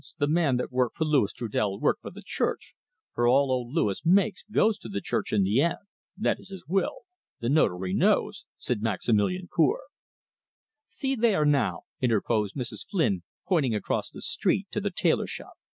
the man that work for Louis Trudel work for the Church, for all old Louis makes goes to the Church in the end that is his will. The Notary knows," said Maximilian Cour. "See there, now," interposed Mrs. Flynn, pointing across the street to the tailor shop.